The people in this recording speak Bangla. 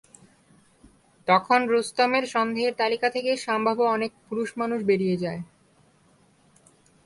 তখন রুস্তমের সন্দেহের তালিকা থেকে সম্ভাব্য অনেক পুরুষ মানুষ বেরিয়ে যায়।